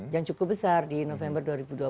yang cukup besar di november dua ribu dua puluh